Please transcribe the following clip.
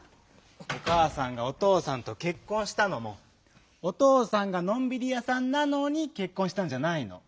おかあさんがおとうさんとけっこんしたのもおとうさんが「のんびりやさんなのにけっこんした」んじゃないの。